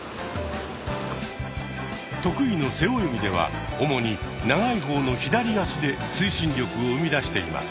得意の背泳ぎでは主に長い方の左足で推進力を生み出しています。